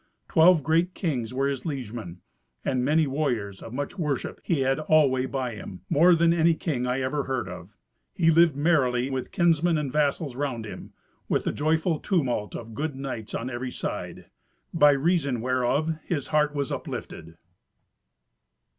Twelve great kings were his liegemen, and many warriors of much worship he had always by him, more than any king I ever heard of. He lived merrily with kinsmen and vassals round him, with the joyful tumult of good knights on every side. By reason whereof his heart was uplifted.